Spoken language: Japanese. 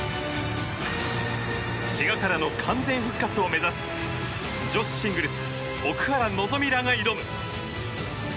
けがからの完全復活を目指す女子シングルス奥原希望らが挑む。